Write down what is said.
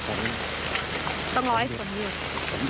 ต้องรอให้สนหยุด